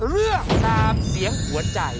เลือกตามเสียงหัวใจ